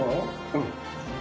うん。